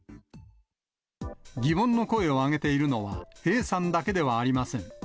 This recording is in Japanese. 疑問の声を上げているのは、Ａさんだけではありません。